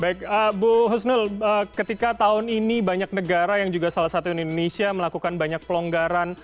baik bu husnul ketika tahun ini banyak negara yang juga salah satu indonesia melakukan banyak pelonggaran